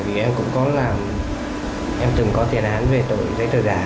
vì em cũng có làm em từng có tiền án về tội giấy tờ giả